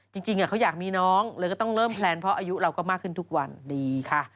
จริงเขาอยากมีน้องเลยก็ต้องเริ่มแพลนเพราะอายุเราก็มากขึ้นทุกวันดีค่ะ